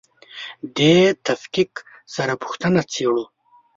دې تفکیک سره پوښتنه څېړو.